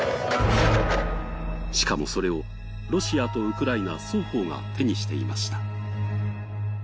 しかも、それをロシアとウクライナ双方が手にしていました。